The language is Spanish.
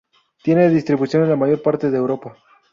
Tiene distribución en la mayor parte de Europa.